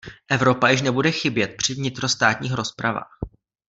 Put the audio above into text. Evropa již nebude chybět při vnitrostátních rozpravách.